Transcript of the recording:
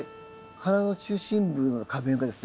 花の中心部の花弁がですね